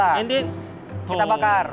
dan kemudian kita bakar